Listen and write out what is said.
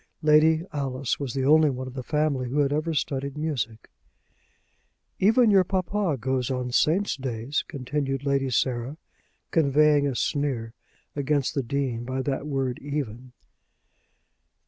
Lady Alice was the only one of the family who had ever studied music. "Even your papa goes on Saints' days," continued Lady Sarah, conveying a sneer against the Dean by that word "even."